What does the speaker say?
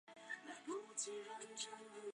这怎么可以！